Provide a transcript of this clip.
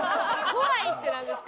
「怖い」ってなんですか？